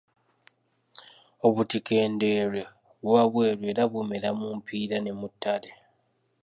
Obutiko Ndeerwe buba bweru era bumera mu mpiira ne mu ttale.